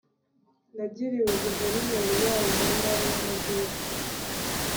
nagiriwe guverinerii wabo mu ntara yamajyepfo